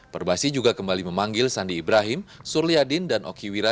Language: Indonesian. perbasi juga kembali memanggil sandi ibrahim surliadin dan okiwira